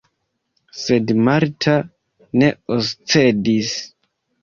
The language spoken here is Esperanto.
Sed Marta ne oscedis.